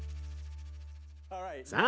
さあ